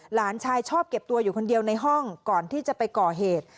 หลานชายชอบเก็บตัวอยู่คนเดียวในห้องก่อนที่จะไปก่อเหตุ